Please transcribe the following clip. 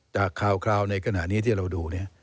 จากคราวในขณะนี้ที่เราดู